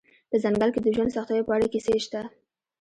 په ځنګل کې د ژوند سختیو په اړه کیسې شته